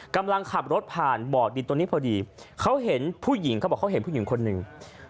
กำลังขับรถผ่านบ่อยในตอนนี้พอดีเขาเห็นผู้หญิงคนนึง